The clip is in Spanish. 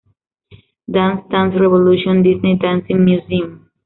Dance Dance Revolution Disney Dancing Museum